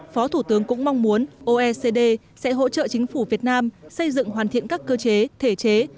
phó thủ tướng cũng mong muốn oecd sẽ hỗ trợ chính phủ việt nam xây dựng hoàn thiện các cơ chế thể chế